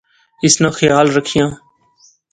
اس ناں خیال رکھِیاں